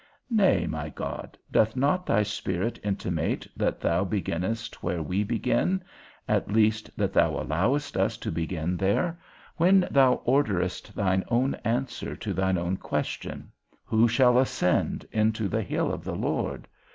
Nay, my God, doth not thy Spirit intimate that thou beginnest where we begin (at least, that thou allowest us to begin there), when thou orderest thine own answer to thine own question, Who shall ascend into the hill of the Lord?